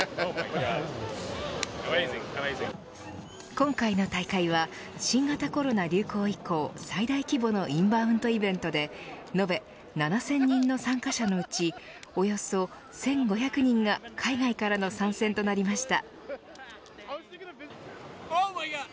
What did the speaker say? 今回の大会は新型コロナ流行以降最大規模のインバウンドイベントで延べ７０００人の参加者のうちおよそ１５００人が海外からの参戦となりました。